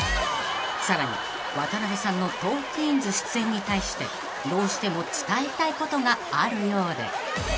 ［さらに渡辺さんの『トークィーンズ』出演に対してどうしても伝えたいことがあるようで］